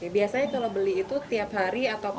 biasanya kalau beli itu tiap hari atau